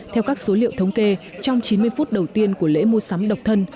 theo các số liệu thống kê trong chín mươi phút đầu tiên của lễ mua sắm độc thân